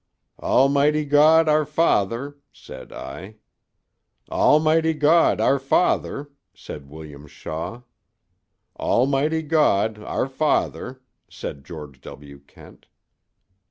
"'Almighty God, our Father,' said I. "'Almighty God, our Father,' said William Shaw. "'Almighty God, our Father,' said George W. Kent.